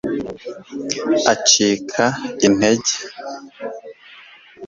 acika intege